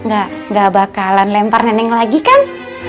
gak gak bakalan lempar nenek lagi kan